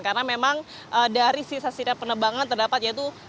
karena memang dari sisa sisa penebangan terdapat yaitu